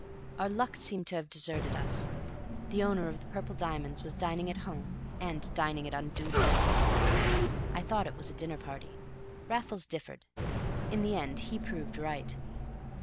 Our luck seemed to have deserted us: the owner of the purple diamonds was dining at home and dining at undue length. I thought it was a dinner party. Raffles differed; in the end he proved right.